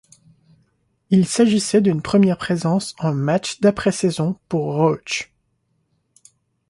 Il s'agissait d'une première présence en matchs d'après-saison pour Rauch.